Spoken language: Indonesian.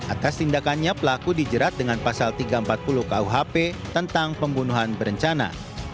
atas tindakannya pelaku dijerat dengan pasal tiga ratus empat puluh kuhp tentang pembunuhan berencana